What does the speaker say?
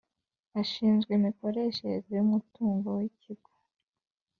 Ashinzwe imikoreshereze y’umutungo w’Ikigo